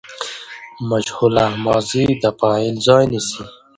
مجهوله ماضي د فاعل ځای نیسي.